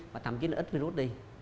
và thậm chí là ít virus đi